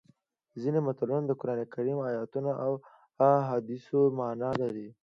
ځینې متلونه د قرانکریم د ایتونو او احادیثو مانا لري